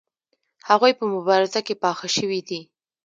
هغوی په مبارزه کې پاخه شوي دي.